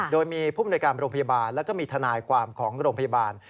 โดยมีผู้มนุยการโรงพยาบาลแล้วก็มีทนายความของโรงพยาบาล